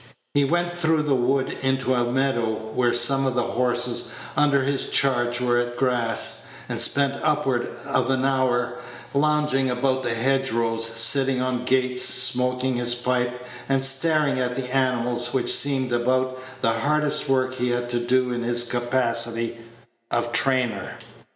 He went through the wood into a meadow where some of the horses under his charge were at grass, and spent upward of an hour lounging about the hedge rows, sitting on gates, smoking his pipe, and staring at the animals, which seemed about the hardest work he had to do in his capacity of trainer.